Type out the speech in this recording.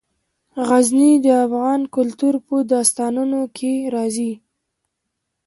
غزني د افغان کلتور په داستانونو کې راځي.